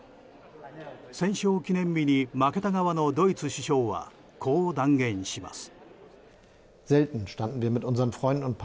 戦勝記念日に負けた側のドイツ首相はこう断言します。